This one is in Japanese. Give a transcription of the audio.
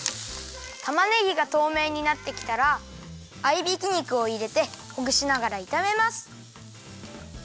たまねぎがとうめいになってきたらあいびき肉をいれてほぐしながらいためます。